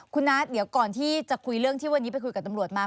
คุณนัทเดี๋ยวก่อนที่จะคุยเรื่องที่วันนี้ไปคุยกับตำรวจมา